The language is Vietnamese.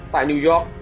tại new york